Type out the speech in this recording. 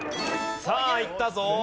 さあいったぞ。